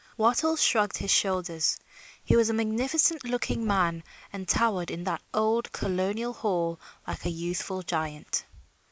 Wattles shrugged his shoulders. He was a magnificent looking man and towered in that old colonial hall like a youthful giant.